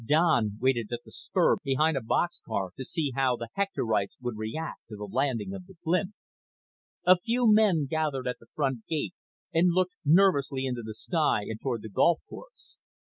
Don waited at the spur, behind a boxcar, to see how the Hectorites would react to the landing of the blimp, A few men gathered at the front gate and looked nervously into the sky and toward the golf course.